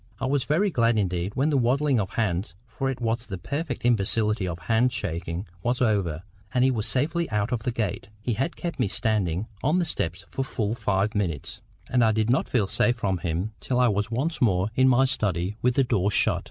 I was very glad indeed when the waddling of hands—for it was the perfect imbecility of hand shaking—was over, and he was safely out of the gate. He had kept me standing on the steps for full five minutes, and I did not feel safe from him till I was once more in my study with the door shut.